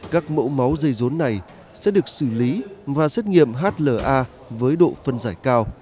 các mẫu máu dây rốn này sẽ được xử lý và xét nghiệm hla với độ phân giải cao